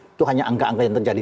itu hanya angka angka yang terjadi